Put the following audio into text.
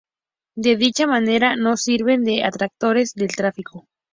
De dicha manera no sirven de atractores del tráfico